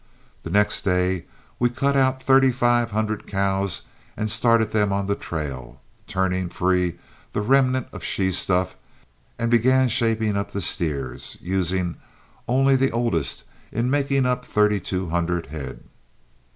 The next day we cut out thirty five hundred cows and started them on the trail, turning free the remnant of she stuff, and began shaping up the steers, using only the oldest in making up thirty two hundred head.